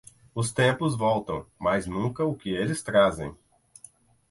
Os tempos voltam, mas nunca o que eles trazem.